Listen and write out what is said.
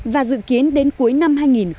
và dự kiến đến cuối năm hai nghìn một mươi bảy